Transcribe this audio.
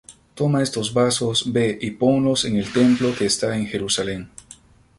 Toma estos vasos, ve y ponlos en el templo que está en Jerusalem.